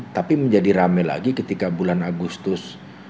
tapi menjadi rame lagi ketika bulan agustus dua ribu tujuh belas